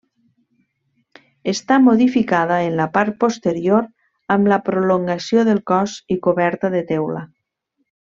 Està modificada en la part posterior amb la prolongació del cos i coberta de teula.